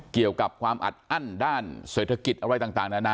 เกี่ยวกับความอัดอั้นด้านเศรษฐกิจอะไรต่างนานา